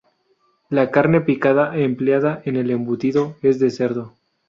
La carne picada empleada en el embutido es de cerdo